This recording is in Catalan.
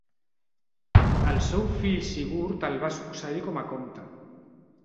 El seu fill Sigurd el va succeir com a comte.